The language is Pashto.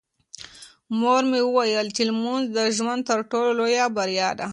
مور مې وویل چې لمونځ د ژوند تر ټولو لویه بریا ده.